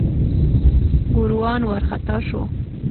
ګوروان وارخطا شو.